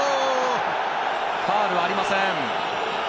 ファウルはありません。